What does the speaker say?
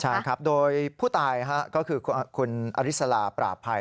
ใช่ครับโดยผู้ตายก็คือคุณอริสลาปราบภัย